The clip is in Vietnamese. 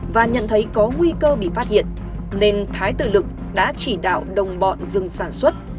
và nhận thấy có nguy cơ bị phát hiện nên thái tự lực đã chỉ đạo đồng bọn dừng sản xuất